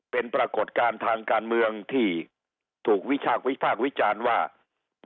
เป็นประกดการณ์ทางการเมืองที่ถูกวิชากวิชาติวิชาวิชาญว่า